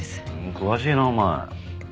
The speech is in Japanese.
詳しいなお前。